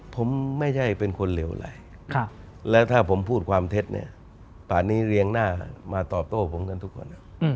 ผมไม่ใช่เป็นคนเหลวไหลและถ้าผมพูดความเท็จเนี่ยป่านนี้เรียงหน้ามาตอบโต้ผมกันทุกคน